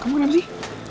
kamu ngapain sih